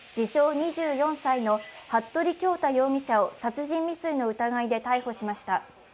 ２４歳の服部恭太容疑者を殺人未遂の疑いで逮捕しました。